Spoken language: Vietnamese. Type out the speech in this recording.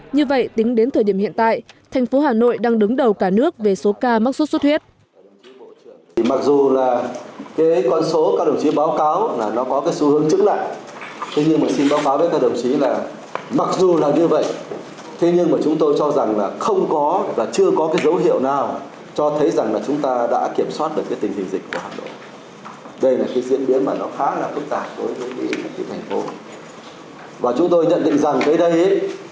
như vậy tính đến thời điểm hiện tại thành phố hà nội đang đứng đầu cả nước về số ca mắc xuất xuất huyết